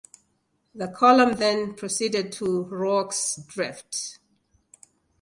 The column then proceeded to Rorke's Drift.